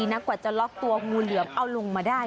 กว่าจะล็อกตัวงูเหลือมเอาลงมาได้